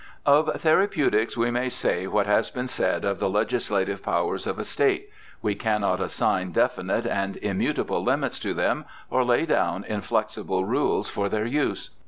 * Of therapeutics we may say what has been said of the legislative powers of a State. We cannot assign definite and immutable limits to them or lay down inflexible rules for their use.